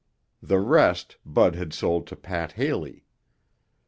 The rest Bud had sold to Pat Haley.